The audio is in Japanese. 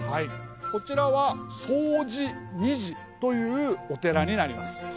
こちらは総持尼寺というお寺になります。